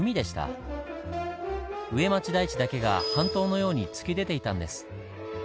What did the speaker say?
上町台地だけが半島のように突き出ていたんです。